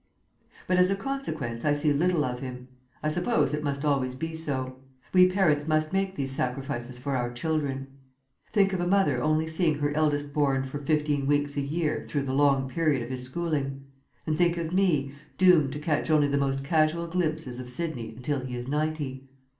But as a consequence I see little of him. I suppose it must always be so; we parents must make these sacrifices for our children. Think of a mother only seeing her eldest born for fifteen weeks a year through the long period of his schooling; and think of me, doomed to catch only the most casual glimpses of Sidney until he is ninety.